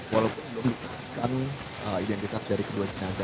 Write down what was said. walaupun belum dikasihkan identitas dari kebuahan